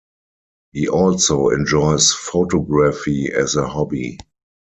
He also enjoys photography as a hobby.